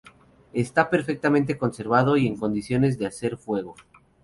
Está perfectamente conservado y en condiciones de hacer fuego.